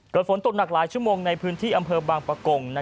ฝนตกหนักหลายชั่วโมงในพื้นที่อำเภอบางปะกง